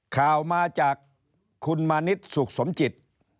ข่าวมาจากคุณมานิดสุขสมจิต